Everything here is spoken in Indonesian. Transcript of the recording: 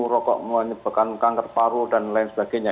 rokok menyebabkan kanker paru dan lain sebagainya